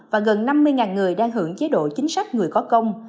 và gần năm mươi người đang hưởng chế độ chính sách người có công